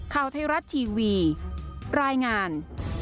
ข่าวไทยรัฐทีวีรายงาน